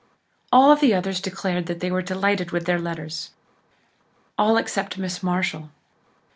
All the others declared that they were delighted with their letters all except Miss Marshall.